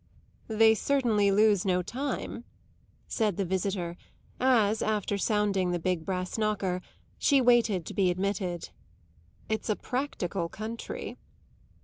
"They certainly lose no time," said the visitor as, after sounding the big brass knocker, she waited to be admitted; "it's a practical country!"